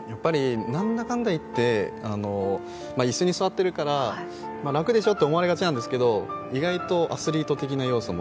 なんだかんだ言って椅子に座ってるから楽に思われがちなんですけど意外とアスリート的な要素も。